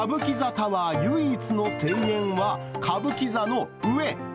タワー唯一の庭園は、歌舞伎座の上。